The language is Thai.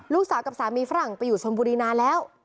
ลูกสาวกับสามีฝรั่งไปอยู่สมบูรณาแล้ว